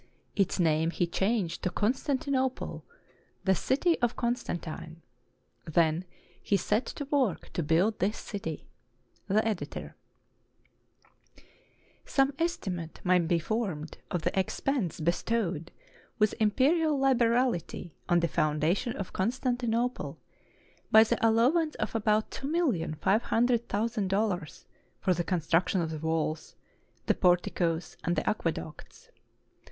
Its name he changed to Constantinople, the "city of Constantine." Then he set to work to build his city. The Editor.] Some estimate may be formed of the expense bestowed with imperial liberality on the foundation of Constan 455 TURKEY tinople, by the allowance of about $2,500,000 for the construction of the walls, the porticoes, and the aque ducts.